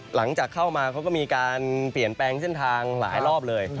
หลังจากเข้ามาเขาก็มีการเปลี่ยนแปลงเส้นทางหลายรอบเลย